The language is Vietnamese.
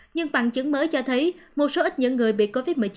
nhưng bằng chứng mới cho thấy một số ít những người bị covid một mươi chín